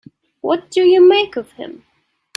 What do you make of him?